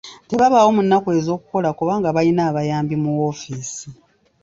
Tebabaawo mu nnaku ez'okukola kubanga balina abayambi mu woofiisi.